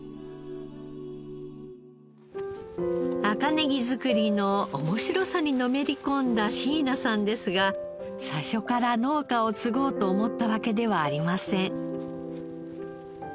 赤ネギ作りの面白さにのめり込んだ椎名さんですが最初から農家を継ごうと思ったわけではありません。